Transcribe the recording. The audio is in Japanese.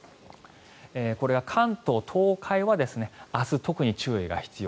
これは関東、東海は明日、特に注意が必要。